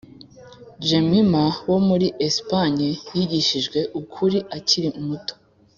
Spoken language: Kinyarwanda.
Jemima wo muri esipanye yigishijwe ukuri akiri muto